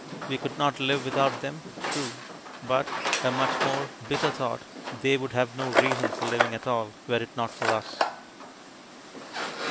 We could not live without them; true. But (a much more bitter thought) they would have no reason for living at all, were it not for us.